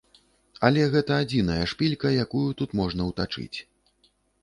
Але гэта адзіная шпілька, якую тут можна ўтачыць.